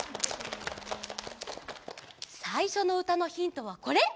さいしょのうたのヒントはこれ！